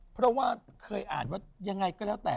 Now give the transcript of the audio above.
เพราะว่าเคยอ่านว่ายังไงก็แล้วแต่